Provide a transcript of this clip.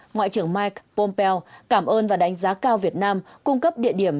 ngoại trưởng mike pompeo cảm ơn và đánh giá cao việt nam cung cấp địa điểm